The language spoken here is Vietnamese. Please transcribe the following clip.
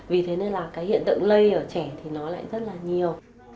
vì thế nên là cái hiện tượng lây ở trẻ thì nó lại rất là nhiều